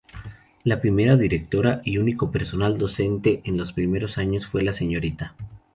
La primera Directora y único personal docente en los primeros años fue la Srta.